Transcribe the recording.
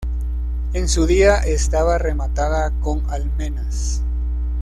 En su día estaba rematada con almenas.